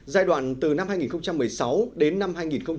giai đoạn từ năm hai nghìn một mươi sáu đến năm hai nghìn hai mươi